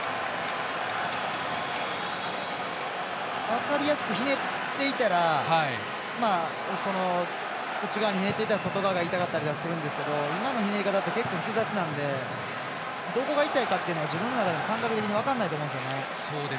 分かりやすく内側にひねっていたら外側が痛かったりするんですけど今のひねり方って結構、複雑なんでどこが痛いかって自分の中で感覚的に分からないと思うんですよね。